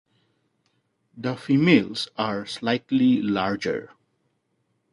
The females are slightly larger.